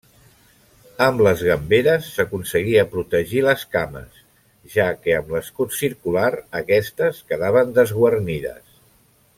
Amb les gamberes s'aconseguia protegir les cames, ja que amb l'escut circular aquestes quedaven desguarnides.